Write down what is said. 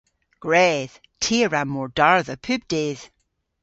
Gwredh! Ty a wra mordardha pub dydh.